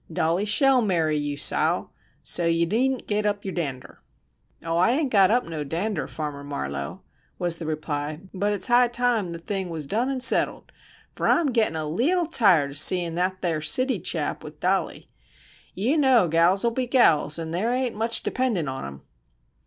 "Dollie shell marry yew, Sile, so yew needn't git up yewr dander!" "Oh, I ain't got up no dander, Farmer Marlowe," was the reply; "but it's high time ther thing wuz done an' settled, fer I'm gittin' a leetle tired of seein' thet thar city chap with Dollie. Yew know gals will be gals, an' ther ain't much dependin' on 'em."